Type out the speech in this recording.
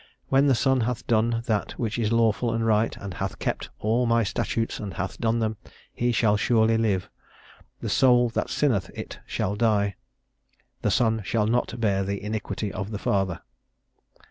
When the son hath done that which is lawful and right, and hath kept all my statutes, and hath done them, he shall surely live. The soul that sinneth it shall die. The son shall not bear the iniquity of the father."